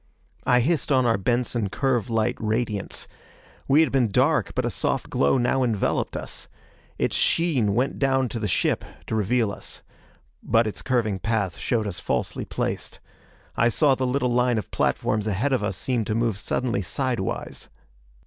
I hissed on our Benson curve light radiance. We had been dark, but a soft glow now enveloped us. Its sheen went down to the ship to reveal us. But its curving path showed us falsely placed. I saw the little line of platforms ahead of us seem to move suddenly sidewise.